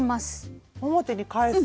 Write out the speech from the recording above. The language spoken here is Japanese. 表に返す？